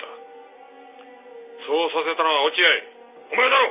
そうさせたのは落合お前だろ！